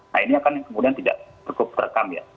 nah ini akan kemudian tidak cukup terekam ya